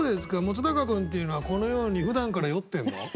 本君っていうのはこのようにふだんから酔ってんの？